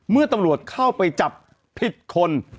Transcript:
เมื่อตำรวจเข้าไปจับผิดคน